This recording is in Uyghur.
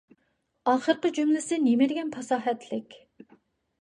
ئاخىرقى جۈملىسى نېمىدېگەن پاساھەتلىك!